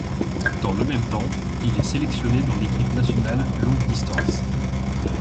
Dans le même temps, il est sélectionné dans l'équipe nationale longue distance.